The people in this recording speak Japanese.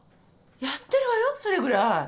やってるわよそれぐらい。